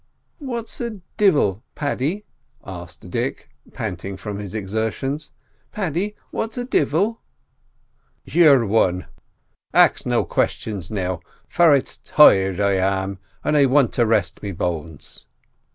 "What's a 'divil,' Paddy?" asked Dick, panting from his exertions. "Paddy, what's a 'divil'?" "You're wan. Ax no questions now, for it's tired I am, an' I want to rest me bones."